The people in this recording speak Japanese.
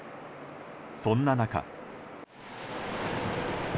そんな中。